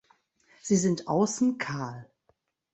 Sie sind außen kahl.